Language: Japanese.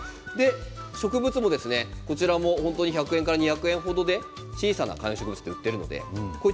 植物も１００円から２００円程で小さな観葉植物も売っていますので。